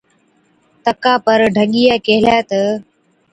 تڪا پر ڍڳِيئَي ڪيهلَي تہ،